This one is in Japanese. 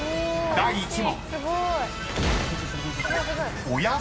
［第１問］